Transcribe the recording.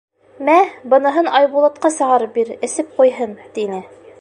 — Мә, быныһын Айбулатҡа сығарып бир, эсеп ҡуйһын, — тине.